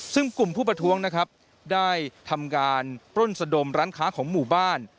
ซึ่งกลุ่มผู้ประท้วงนะครับได้ทำการปล้นสะดมร้านค้าของหมู่บ้าน